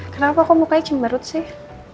kenapa kok mukanya cembarut sih